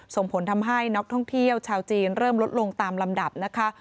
ส่งผลทำให้นักท่องเที่ยวชาวจีนเริ่มลดลงตามลำดับนะคะ